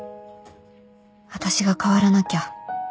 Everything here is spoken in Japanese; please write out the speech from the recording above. あたしが変わらなきゃ